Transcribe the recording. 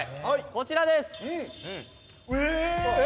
こちらです！え！